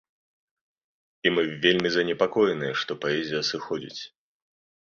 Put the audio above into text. І мы вельмі занепакоеныя, што паэзія сыходзіць.